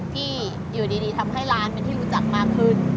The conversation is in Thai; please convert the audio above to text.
ที่อยู่ดีทำให้ร้านเป็นที่รู้จักมากขึ้น